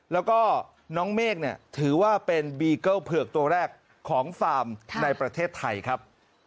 แล้วก็น้องเมฆเนี่ยถือว่าเป็นบีเกิ้ลเผือกตัวแรกของฟาร์มในประเทศไทยครับ